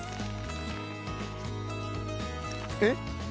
えっ？